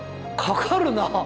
かかるなあ。